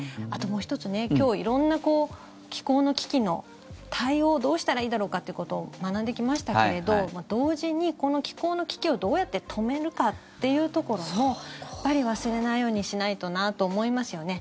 もう１つ今日、色んな気候の危機の対応をどうしたらいいだろうかってことを学んできましたけれど同時に、この気候の危機をどうやって止めるかっていうところもやっぱり忘れないようにしないとなと思いますよね。